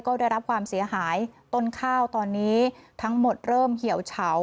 ก็ได้รับความเสียหายต้นข้าวตอนนี้ทั้งหมดเริ่มเหี่ยวเฉา